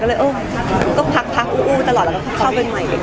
ก็เลยเออก็พักอู้ตลอดแล้วก็เข้าไปใหม่เลย